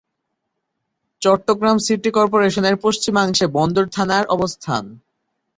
Chittagong city কর্পোরেশনের পশ্চিমাংশে বন্দর থানার অবস্থান।